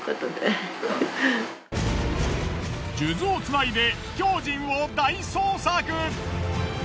数珠を繋いで秘境人を大捜索。